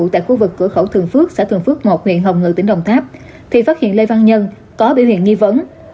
trái ngược với lượng khách giảm